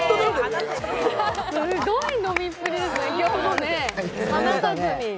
すごい飲みっぷりですね、今日もね、離さずに。